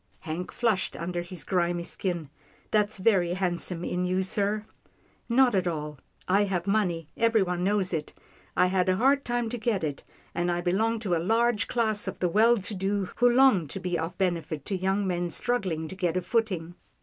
Hank flushed under his grimy skin. " That's very handsome in you, sir." " Not at all. I have money. Everyone knows it. I had a hard time to get it, and I belong to a large class of the well to do who wish, who long to be of benefit to young men struggling to get a footing.